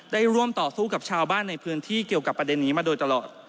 ได้ร่วมต่อสู้กับชาวบ้านในพื้นที่เกี่ยวกับประเด็นนี้มาโดยตลอด